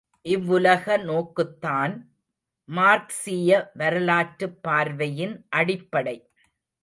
இவ்வுலக நோக்குத்தான் மார்க்ஸீய வரலாற்றுப் பார்வையின் அடிப்படை.